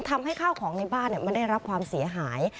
ทำให้ข้าวของในบ้านมันได้รับความเสียหาย